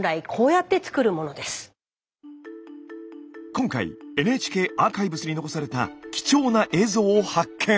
今回ＮＨＫアーカイブスに残された貴重な映像を発見！